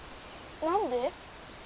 何で？